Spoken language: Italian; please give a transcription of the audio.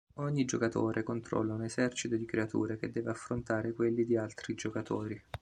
Ogni giocatore controlla un esercito di creature che deve affrontare quelli di altri giocatori.